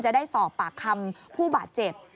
จะได้สอบปากคำผู้บาดเจ็บ